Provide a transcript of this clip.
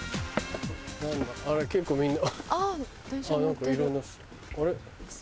あら結構みんな。